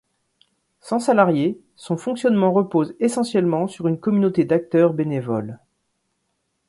Sans salarié, son fonctionnement repose essentiellement sur une communauté d’acteurs bénévoles.